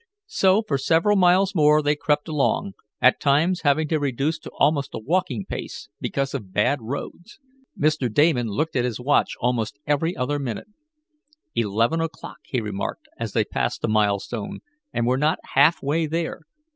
So, for several miles more they crept along, at times having to reduce to almost a walking pace, because of bad roads. Mr. Damon looked at his watch almost every other minute. "Eleven o'clock," he remarked, as they passed a milestone, "and we're not half way there.